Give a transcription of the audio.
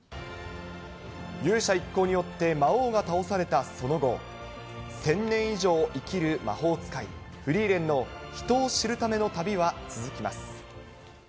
勇者一行によって魔王が倒されたその後、１０００年以上生きる魔法使いフリーレンの人を知るための旅は続きます。